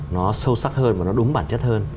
nó sâu sắc hơn và nó đúng bản chất hơn